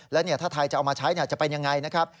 แล้วถ้าไทยจะเอามาใช้จะเป็นยังไงนะครับ